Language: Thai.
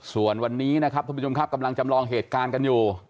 ส่วนวันนี้นะครับท่านผู้ชมครับกำลังจำลองเหตุการณ์กันอยู่